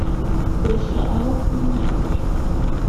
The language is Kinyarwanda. Rwesa aho ku nkiko